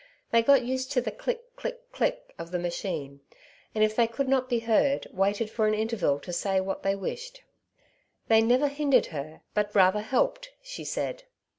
They got used to the click ! click ! click ! of the machine, and if they could not be heard, waited for an interval to say what they wished ;'* They never hindered her, but rather helped,^' she said.